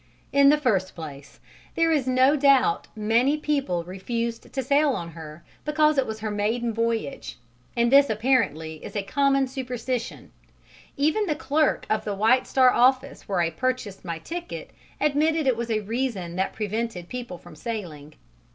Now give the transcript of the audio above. In the first place, there is no doubt many people refused to sail on her because it was her maiden voyage, and this apparently is a common superstition: even the clerk of the White Star Office where I purchased my ticket admitted it was a reason that prevented people from sailing.